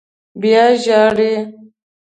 _بيا ژاړې!